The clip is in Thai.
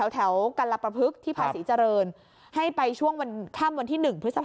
แถวกรรปะพึกที่ภาษีเจริญให้ไปช่วงพรภาคมวันที่๑